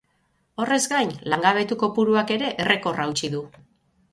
Horrez gain, langabetu kopuruak ere errekorra hautsi du.